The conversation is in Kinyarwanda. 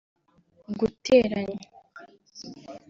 guteranya